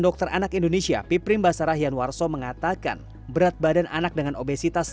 dokter anak indonesia piprim basarah yanwarso mengatakan berat badan anak dengan obesitas